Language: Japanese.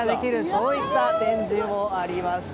そういった展示もありました。